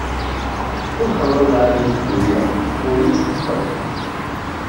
Ur xelleḍ lɛali d dduni, ulli d tɣeṭṭen!